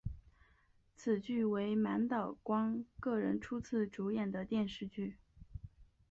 此剧为满岛光个人初次主演的电视剧。